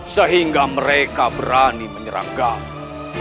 sehingga mereka berani menyerang kami